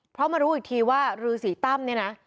เพราะมารู้อีกทีว่ารือสีตั้มเนี่ยนะ